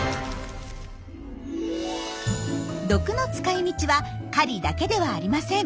毒の使いみちは狩りだけではありません。